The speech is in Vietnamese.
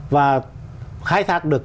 và khai sạc được